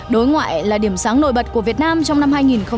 đối ngoại là điểm sáng nổi bật của việt nam trong năm hai nghìn một mươi bảy